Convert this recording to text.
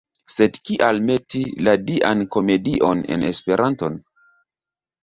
Sed kial meti la Dian Komedion en esperanton?